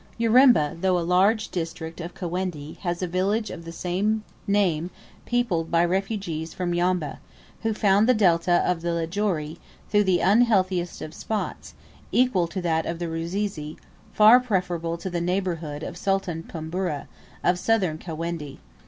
Urimba, though a large district of Kawendi, has a village of the same name peopled by refugees from Yombeh, who found the delta of the Loajeri, though the unhealthiest of spots equal to that of the Rusizi far preferable to the neighbourhood of Sultan Pumburu, of Southern Kawendi.